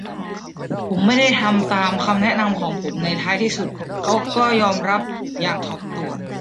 ผมไม่ได้ทำตามคำแนะนำของผมในท้ายที่สุด เขายอมรับอย่างถ่อมตัว